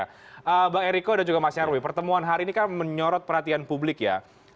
oke bang eriko dan juga mas nyarwi pertemuan hari ini kan menyorot perhatian publik ya